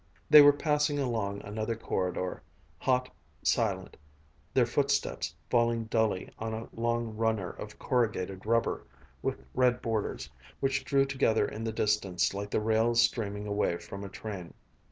They were passing along another corridor, hot, silent, their footsteps falling dully on a long runner of corrugated rubber, with red borders which drew together in the distance like the rails streaming away from a train.